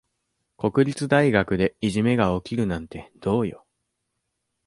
国立大学でいじめが起きるなんてどうよ。